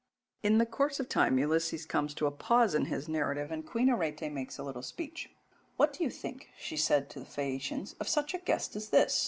'" In the course of time Ulysses comes to a pause in his narrative and Queen Arete makes a little speech. "'What do you think,' she said to the Phaeacians, 'of such a guest as this?